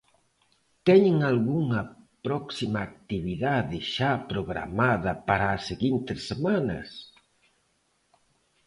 Teñen algunha próxima actividade xa programada para as seguintes semanas?